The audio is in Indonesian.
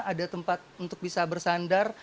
ada tempat untuk bisa bersandar